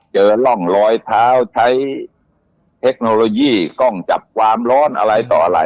เจอร่องรอยเท้าใช้เทคโนโลยีกล้องจับความร้อนอะไรต่ออะไร